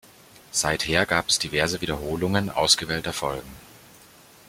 Seither gab es diverse Wiederholungen ausgewählter Folgen.